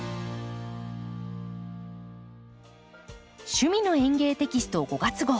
「趣味の園芸」テキスト５月号。